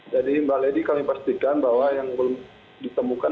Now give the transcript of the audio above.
jadi mbak lady kami pastikan bahwa yang belum ditemukan